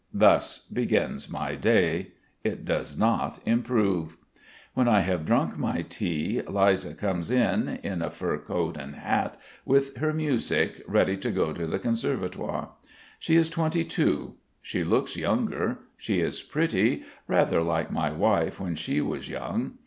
Thus begins my day. It does not improve. When I have drunk my tea, Liza comes in, in a fur coat and hat, with her music, ready to go to the Conservatoire. She is twenty two. She looks younger. She is pretty, rather like my wife when she was young.